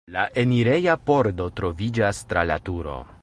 La enireja pordo troviĝas tra la turo.